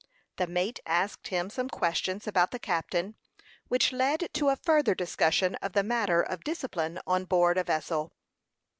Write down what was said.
The mate asked him some questions about the captain, which led to a further discussion of the matter of discipline on board a vessel.